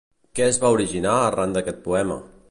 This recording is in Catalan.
Què es va originar arran aquest poema?